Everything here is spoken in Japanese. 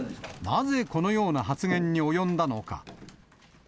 なぜこのような発言に及んだのか。